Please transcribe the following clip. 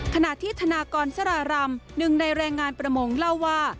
ขณะที่ธนากรสารารำหนึ่งในแรงงานประมงเล่าว่า